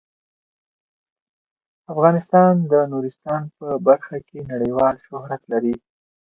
افغانستان د نورستان په برخه کې نړیوال شهرت لري.